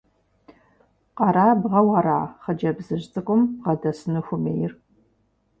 Къэрабгъэу ара хъыджэбзыжь цӀыкӀум бгъэдэсыну хуэмейр?